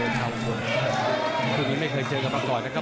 คู่นี้ไม่เคยเจอกันมาก่อนนะครับ